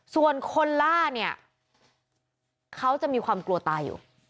ส่วนคนล่าเนี่ยเขาจะมีความกลัวตายอยู่